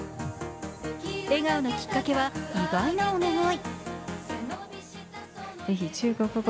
笑顔のきっかけは意外なお願い。